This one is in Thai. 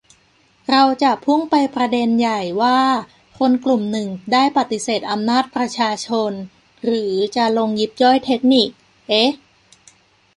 เราจะพุ่งไปประเด็นใหญ่ ว่า คนกลุ่มหนึ่งได้ปฏิเสธอำนาจประชาชน หรือจะลงยิบย่อยเทคนิค เอ๊ะ